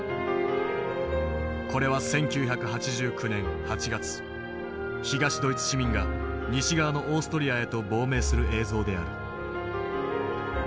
これは１９８９年８月東ドイツ市民が西側のオーストリアへと亡命する映像である。